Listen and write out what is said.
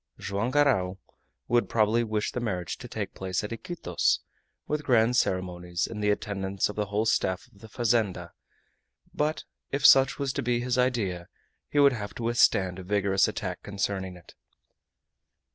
Joam Garral would probably wish the marriage to take place at Iquitos, with grand ceremonies and the attendance of the whole staff of the fazenda, but if such was to be his idea he would have to withstand a vigorous attack concerning it.